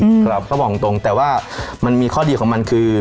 ครับถ้ามาบอกของทรงแต่ว่ามันมีข้อดีของมันคือ